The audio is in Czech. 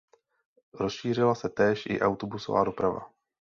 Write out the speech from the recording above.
Rozšířila se též i autobusová doprava.